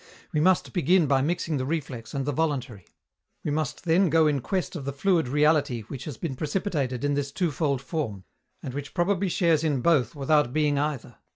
We must begin by mixing the reflex and the voluntary. We must then go in quest of the fluid reality which has been precipitated in this twofold form, and which probably shares in both without being either.